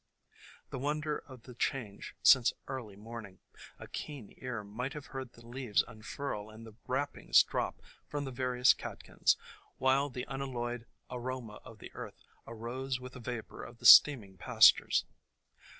The wonder of the change since early morning! A keen ear might have heard the leaves unfurl and the wrappings drop from the various catkins, while the unalloyed aroma of the earth arose with the vapor of the steaming pastures.